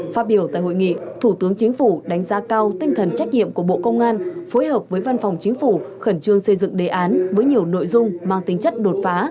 phát biểu tại hội nghị thủ tướng chính phủ đánh giá cao tinh thần trách nhiệm của bộ công an phối hợp với văn phòng chính phủ khẩn trương xây dựng đề án với nhiều nội dung mang tính chất đột phá